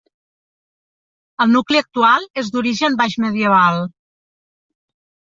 El nucli actual és d'origen baixmedieval.